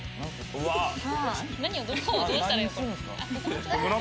何をどうしたらいいの？